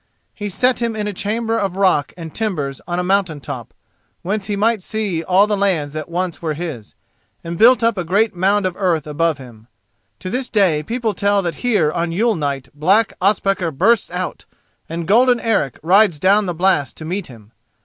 He set him in a chamber of rock and timbers on a mountain top, whence he might see all the lands that once were his, and built up a great mound of earth above him. To this day people tell that here on Yule night black Ospakar bursts out, and golden Eric rides down the blast to meet him.